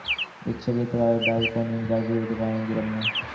তার পিত্রালয়ে অবস্থানকালে আমি ইচ্ছাকৃত ভাবে ব্যালকনির গাছগুলোতে পানি দিলাম না।